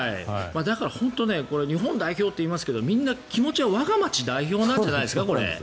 だから本当に日本代表といいますけど気持ちは我が街代表なんじゃないですか？